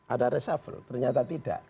ada reshuffle ternyata tidak